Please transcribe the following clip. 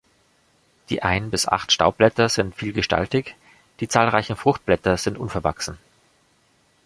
Die ein bis acht Staubblätter sind vielgestaltig, die zahlreichen Fruchtblätter sind unverwachsen.